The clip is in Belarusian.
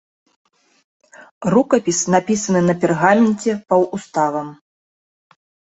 Рукапіс напісаны на пергаменце паўуставам.